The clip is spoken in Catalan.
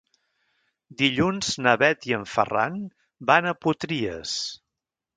Dilluns na Bet i en Ferran van a Potries.